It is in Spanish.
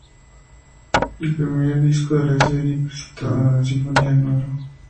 El primer disco de la serie, presentando la Sinfonía No.